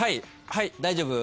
大丈夫？